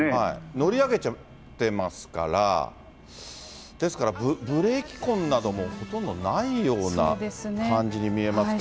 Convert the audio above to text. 乗り上げちゃってますから、ですから、ブレーキ痕などもほとんどないような感じに見えますから。